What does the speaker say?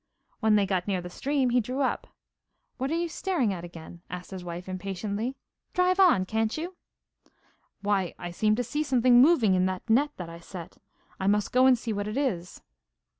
When they got near the stream he drew up. 'What are you staring at again?' asked his wife impatiently. 'Drive on, can't you?' 'Why, I seem to see something moving in that net I set. I must just go and see what it is.